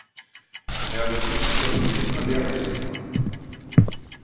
Er besuchte das "Bremer Lehrerseminar".